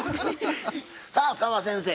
さあ澤先生